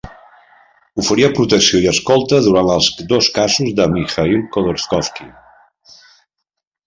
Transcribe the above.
Oferia protecció i escolta durant els dos casos de Mikhail Khodorkovsky.